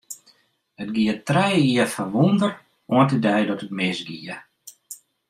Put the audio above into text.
It gie trije jier foar wûnder, oant de dei dat it misgie.